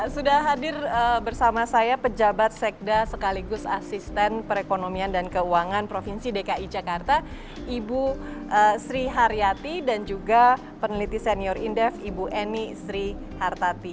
sudah hadir bersama saya pejabat sekda sekaligus asisten perekonomian dan keuangan provinsi dki jakarta ibu sri haryati dan juga peneliti senior indef ibu eni sri hartati